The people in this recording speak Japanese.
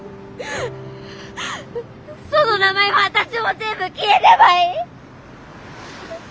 その名前も私も全部消えればいい！